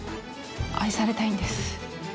愛されたいんです。